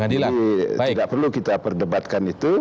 jadi tidak perlu kita perdebatkan itu